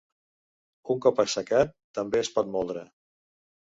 Un cop assecat també es pot moldre.